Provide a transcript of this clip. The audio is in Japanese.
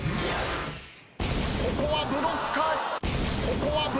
ここはブロッカー。